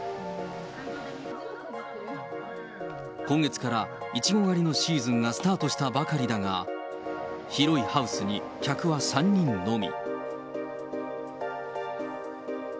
今月からいちご狩りのシーズンがスタートしたばかりだが、広いハウスに客は３人のみ。